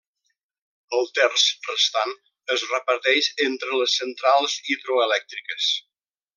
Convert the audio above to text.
El terç restant es reparteix entre les centrals hidroelèctriques.